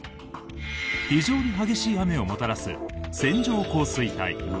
非常に激しい雨をもたらす線状降水帯。